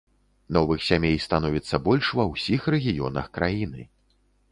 Новых сямей становіцца больш ва ўсіх рэгіёнах краіны.